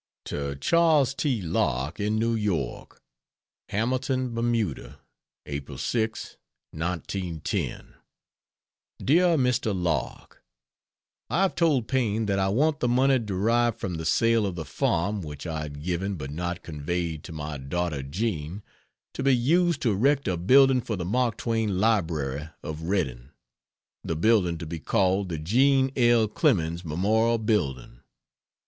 To Charles T. Lark, in New York: HAMILTON, BERMUDA. April 6, 1910. DEAR MR. LARK, I have told Paine that I want the money derived from the sale of the farm, which I had given, but not conveyed, to my daughter Jean, to be used to erect a building for the Mark Twain Library of Redding, the building to be called the Jean L. Clemens Memorial Building.